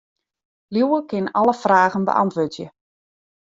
Liuwe kin alle fragen beäntwurdzje.